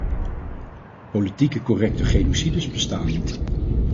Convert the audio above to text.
Politiek correcte genocides bestaan niet.